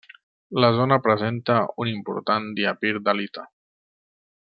La zona presenta un important diapir d'halita.